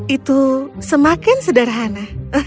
itu semakin sederhana